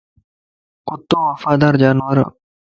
ڪتو وفادار جانور ا